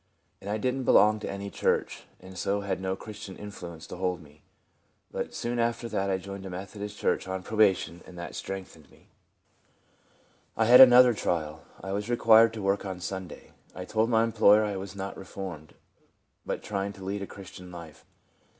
And I did n't belong to any church, and so had no Christian influence to hold me. But soon after that I joined a Methodist church on probation, and that strengthened me. 8 53 TRANSFORMED. I had another trial. I was required to work on Sunday. I told my employer I was not only reformed, but trying to lead a Chris tian life.